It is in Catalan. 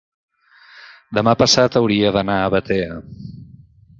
demà passat hauria d'anar a Batea.